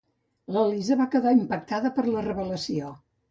L'Eliza va quedar impactada per la revelació.